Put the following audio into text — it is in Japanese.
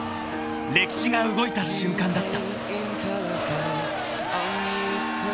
［歴史が動いた瞬間だった］